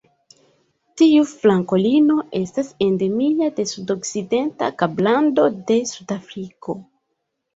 Tiu frankolino estas endemia de sudokcidenta Kablando de Sudafriko.